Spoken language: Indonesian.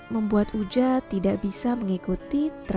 membuat uja tidak bisa mengikuti tren